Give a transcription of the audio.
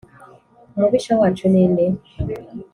umubisha wacu ni nde?